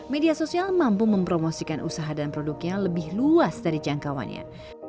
media sosial mampu mempromosikan usaha dan produknya lebih luas dari jangkauannya